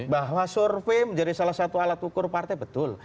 bahwa survei menjadi salah satu alat ukur partai betul